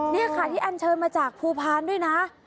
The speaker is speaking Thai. นี่ค่ะที่อันเชิญมาจากภูพาลด้วยนะ